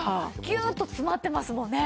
ギューッと詰まってますもんね。